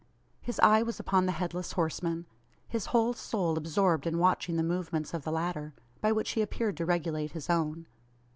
His eye was upon the Headless Horseman, his whole soul absorbed in watching the movements of the latter by which he appeared to regulate his own.